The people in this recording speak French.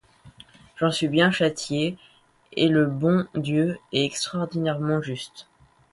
J’en suis bien châtié, et le bon Dieu est extraordinairement juste.